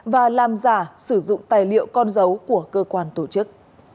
và làm giả sử dụng tài liệu con dấu của cơ quan tổ chức